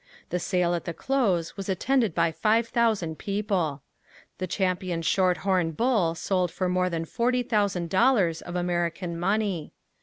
The sale at the close was attended by five thousand people. The champion shorthorn bull sold for more than forty thousand dollars of American money.